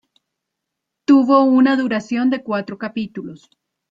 Tuvo una duración de cuatro capítulos.